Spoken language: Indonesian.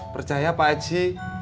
percaya pak haji